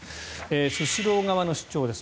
スシロー側の主張です。